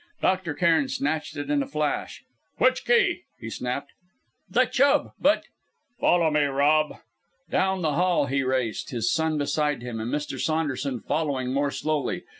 Dr. Cairn snatched it in a flash. "Which key?" he snapped. "The Chubb, but " "Follow me, Rob!" Down the hall he raced, his son beside him, and Mr. Saunderson following more slowly.